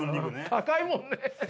高いもんね！